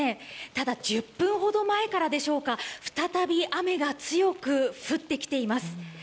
ただ１０分ほど前からでしょうか再び雨が強く降ってきています。